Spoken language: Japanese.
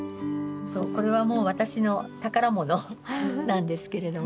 そうこれはもう私の宝物なんですけれども。